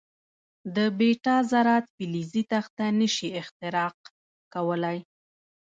د بیټا ذرات فلزي تخته نه شي اختراق کولای.